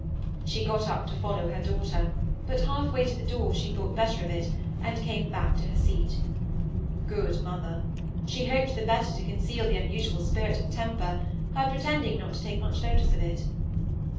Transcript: She got up to follow her daughter, but half way to the door she thought better of it, and came back to her seat. Good mother! she hoped the better to conceal the unusual spirt of temper, by pretending not to take much notice of it.